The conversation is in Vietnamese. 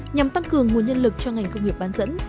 nhằm tăng cường nguồn nhân lực cho ngành công nghiệp bán dẫn